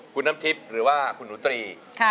คุณน้ำทิพย์หรือว่าคุณหนูตรี